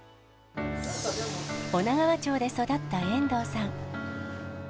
女川町で育った遠藤さん。